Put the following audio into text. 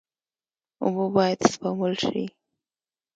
اوبه باید سپمول شي.